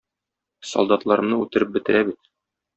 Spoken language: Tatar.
Солдатларымны үтереп бетерә бит.